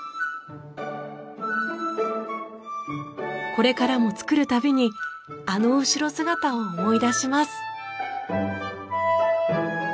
これからも作る度にあの後ろ姿を思い出します。